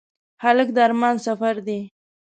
هلک د ارمان سفر دی.